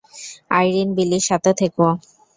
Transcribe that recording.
আইরিন, বিলির সাথে থেকো!